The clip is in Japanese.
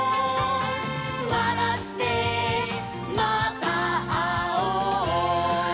「わらってまたあおう」